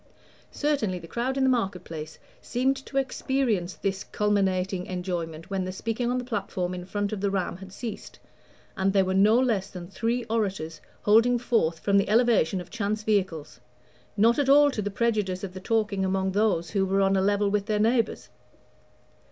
Certainly the crowd in the market place seemed to experience this culminating enjoyment when the speaking on the platform in front of the Ram had ceased, and there were no less than three orators holding forth from the elevation of chance vehicles, not at all to the prejudice of the talking among those who were on a level with their neighbors.